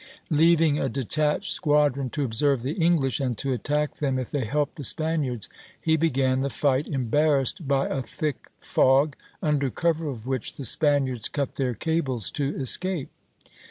Leaving a detached squadron to observe the English, and to attack them if they helped the Spaniards, he began the fight embarrassed by a thick fog, under cover of which the Spaniards cut their cables to escape.